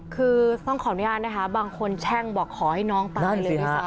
คือต้องขออนุญาตนะคะบางคนแช่งบอกขอให้น้องตายเลยด้วยซ้ำ